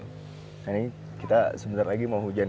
nah ini kita sebentar lagi mau hujan